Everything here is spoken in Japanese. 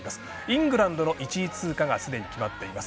イングランドの１位通過がすでに決まってます。